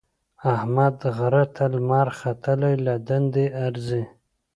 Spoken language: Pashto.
احمد غره ته لمر ختلی له دندې ارځي.